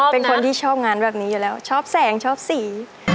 เป็นคนที่ชอบงานแบบนี้อยู่แล้วชอบแสงชอบสี